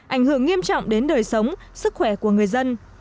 ảnh hưởng nghiêm trọng đến đời sống sức khỏe của người dân